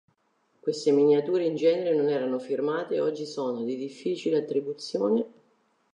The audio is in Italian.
Queste miniature in genere non erano firmate e oggi sono di difficile attribuzione.